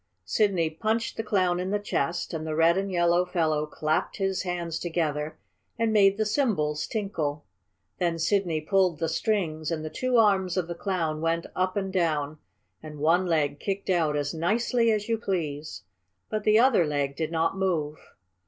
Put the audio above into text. Sidney punched the Clown in the chest, and the red and yellow fellow clapped his hands together and made the cymbals tinkle. Then Sidney pulled the strings and the two arms of the Clown went up and down, and one leg kicked out as nicely as you please. But the other leg did not move.